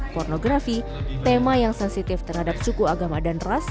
pornografi tema yang sensitif terhadap suku agama dan ras